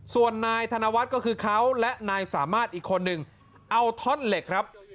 ส่วนนายธนวัฒน์ก็คือเขาและนายสามารถอีกคนนึงเอาท่อนเหล็กครับ